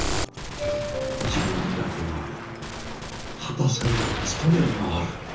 自分だけが果たせる務めがある。